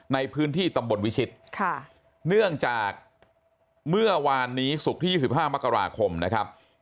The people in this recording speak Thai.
ในพื้นที่ตำบลวิชิตค่ะเนื่องจากเมื่อวานนี้ศุกร์ที่๒๕มกราคมนะครับ